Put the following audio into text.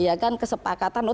iya kan kesepakatan